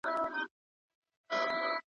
راتلونکی به نور معلومات راوړي.